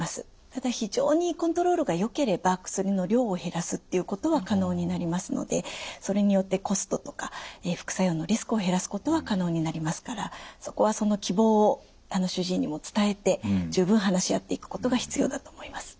ただ非常にコントロールがよければ薬の量を減らすっていうことは可能になりますのでそれによってコストとか副作用のリスクを減らすことは可能になりますからそこはその希望を主治医にも伝えて十分話し合っていくことが必要だと思います。